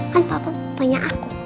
kan papa punya aku